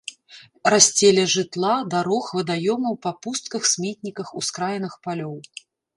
Расце ля жытла, дарог, вадаёмаў, па пустках, сметніках, ускраінах палёў.